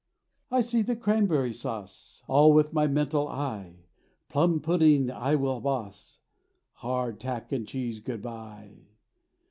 I see the cranberry sauce, All with my mental eye; Plum pudding I will boss; Hard tack and cheese, good bye!